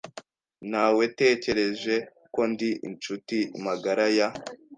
Nawetekereje ko ndi inshuti magara ya .